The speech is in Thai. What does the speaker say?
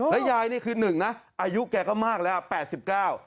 ยายนี่คือหนึ่งนะอายุแกก็มากแล้วอ่ะแปดสิบเก้า